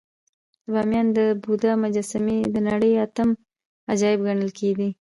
د بامیانو د بودا مجسمې د نړۍ اتم عجایب ګڼل کېدې